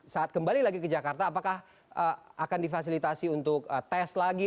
saat kembali lagi ke jakarta apakah akan difasilitasi untuk tes lagi